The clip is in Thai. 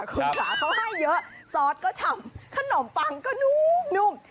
คุณค่ะเขาให้เยอะซอสก็ฉ่ำขนมปังก็นุ่ม